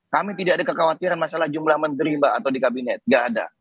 kami tidak ada kekhawatiran masalah jumlah menteri mbak atau di kabinet nggak ada